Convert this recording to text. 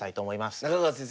中川先生